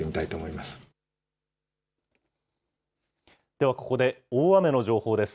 ではここで、大雨の情報です。